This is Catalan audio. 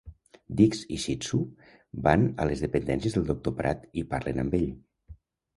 Dix i Shitzu van a les dependències del doctor Pratt i parlen amb ell.